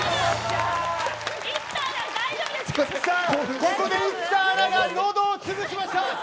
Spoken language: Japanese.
ここで生田アナが喉を潰しました。